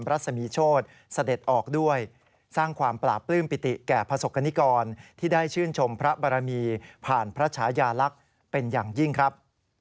รัศมีโชธเสด็จออกด้วยสร้างความปราบปลื้มปิติแก่ประสบกรณิกรที่ได้ชื่นชมพระบรมีผ่านพระชายาลักษณ์เป็นอย่างยิ่งครับ